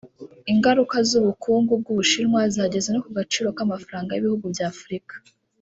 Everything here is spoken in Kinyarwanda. Ingaruka z’ubukungu bw’u Bushinwa zageze no ku gaciro k’amafaranga y’ibihugu bya Afurika